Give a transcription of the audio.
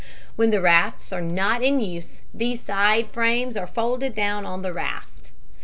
When the rafts are not in use these side frames are folded down on the raft.